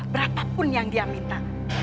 berapa pun yang dia minta